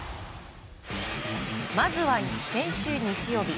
まずは先週日曜日。